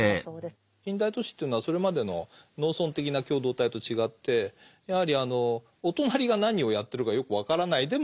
近代都市というのはそれまでの農村的な共同体と違ってやはりあのお隣が何をやってるかよく分からない。